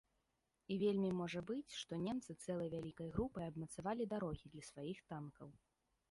І вельмі можа быць, што немцы цэлай вялікай групай абмацвалі дарогі для сваіх танкаў.